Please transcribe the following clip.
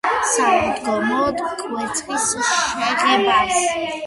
სააღდგომოდ კვერცხის შეღებვას.